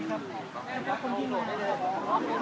โลกถึงเต็มไหนแล้วหน่อย